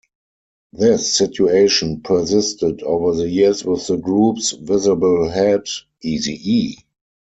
This situation persisted over the years with the group's visible head, Eazy-E.